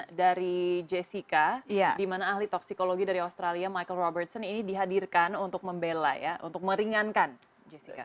ini adalah jalannya persidangan dari jessica dimana ahli toksikologi dari australia michael robertson ini dihadirkan untuk membela untuk meringankan jessica